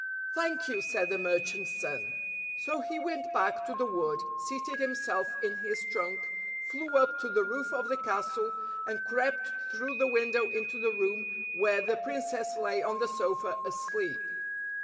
"Thank you," said the merchant's son. So he went back to the wood, seated himself in his trunk, flew up to the roof of the castle, and crept through the window into the room where the princess lay on the sofa, asleep.